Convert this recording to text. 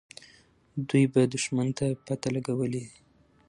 دوی به دښمن ته پته لګولې وي.